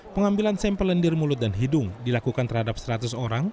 pengambilan sampel lendir mulut dan hidung dilakukan terhadap seratus orang